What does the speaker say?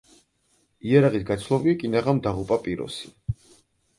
იარაღის გაცვლამ კი კინაღამ დაღუპა პიროსი.